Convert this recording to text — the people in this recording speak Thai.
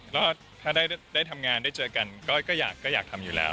ก็ถ้าได้ทำงานได้เจอกันก็อยากทำอยู่แล้ว